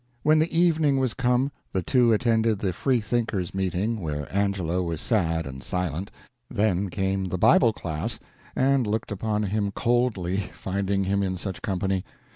When the evening was come, the two attended the Free thinkers' meeting, where Angelo was sad and silent; then came the Bible class and looked upon him coldly, finding him in such company.